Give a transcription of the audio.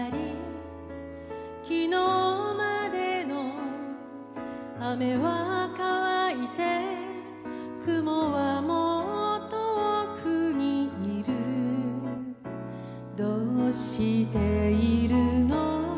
昨日までの雨は乾いて雲はもう遠くにいるどうしているの？